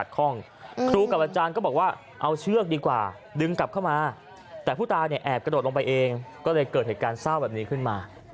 ก็เลยเกิดเหตุการณ์เศร้าแบบนี้ขึ้นมา